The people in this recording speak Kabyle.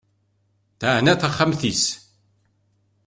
Teɛna taxxmat-is.